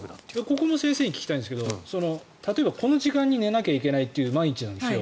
ここも先生に聞きたいんですけど例えば、この時間に寝なきゃいけないという毎日なんです。